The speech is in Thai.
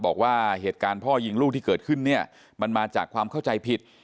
บอกว่าเหตุการณ์พ่อยิงลูกที่เกิดขึ้นเนี่ยมันมาจากความเข้าใจผิด